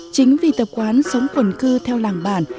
chính vì tập quán sống quần cư theo làng bản